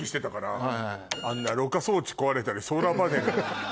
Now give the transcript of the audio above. あんなろ過装置壊れたりソーラーパネル。